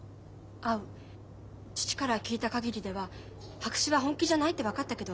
父から聞いた限りでは白紙は本気じゃないって分かったけど